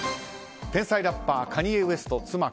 天才ラッパー、カニエ・ウェスト妻